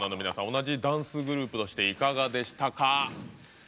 同じダンスグループとしていかがでしたか？